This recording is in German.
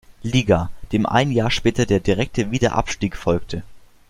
Liga, dem ein Jahr später der direkte Wiederabstieg folgte.